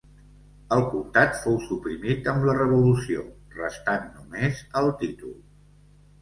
El comtat fou suprimit amb la revolució restant només el títol.